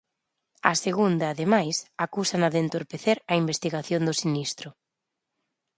Á segunda, ademais, acúsana de entorpecer a investigación do sinistro.